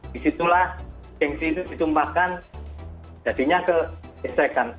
di situlah gengsi itu ditumpahkan jadinya keesekan